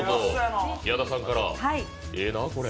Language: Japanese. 矢田さんから、ええな、これ。